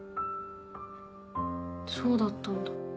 そうだったんだ。